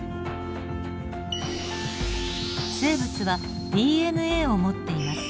生物はＤＮＡを持っています。